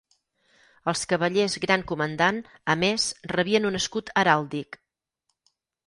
Els Cavallers Gran Comandant, a més, rebien un escut heràldic.